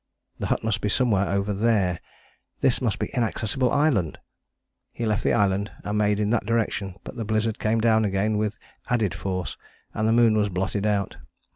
The hut must be somewhere over there: this must be Inaccessible Island! He left the island and made in that direction, but the blizzard came down again with added force and the moon was blotted out.